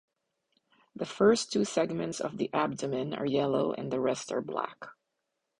The first two segments of the abdomen are yellow and the rest are black.